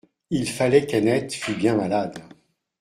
Il fallait qu'Annette fut bien malade.